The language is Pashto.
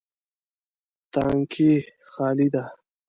تانکی خالي ده